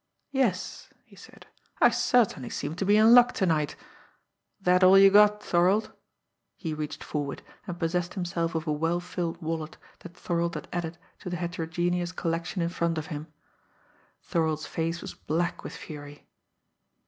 "Yes," he said, "I certainly seem to be in luck tonight! That all you got, Thorold?" He reached forward, and possessed himself of a well filled wallet that Thorold had added to the heterogeneous collection in front of him. Thorold's face was black with fury.